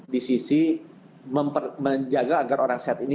di sisi menjaga agar orang sehat ini